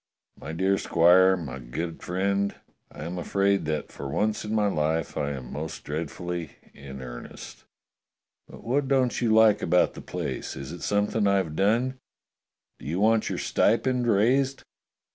My dear squire, my good friend, I am afraid that for once in my life I am most dreadfully in earnest." "But what don't you like about the place? Is it something I've done? Do you want your stipend raised?